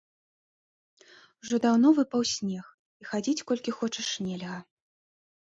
Ужо даўно выпаў снег, і хадзіць колькі хочаш, нельга.